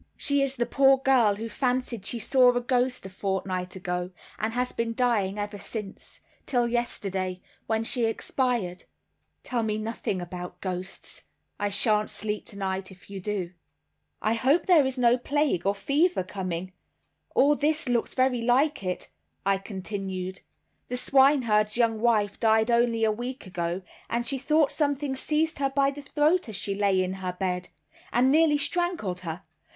"She is the poor girl who fancied she saw a ghost a fortnight ago, and has been dying ever since, till yesterday, when she expired." "Tell me nothing about ghosts. I shan't sleep tonight if you do." "I hope there is no plague or fever coming; all this looks very like it," I continued. "The swineherd's young wife died only a week ago, and she thought something seized her by the throat as she lay in her bed, and nearly strangled her.